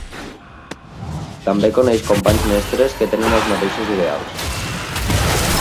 També coneix companys mestres que tenen els mateixos ideals.